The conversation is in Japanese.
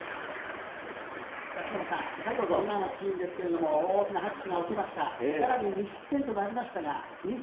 今のシーンですけれど、大きな拍手が起きました。